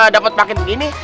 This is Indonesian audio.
dapet paket begini